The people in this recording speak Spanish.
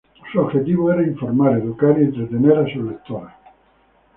Su objetivo era informar, educar y entretener a sus lectoras.